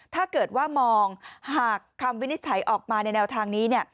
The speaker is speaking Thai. ถ้าเกิดว่ามองหากคำวินิจฉัยออกมาในแนวทางนี้